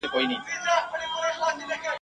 بس د زرکو به رامات ورته لښکر سو !.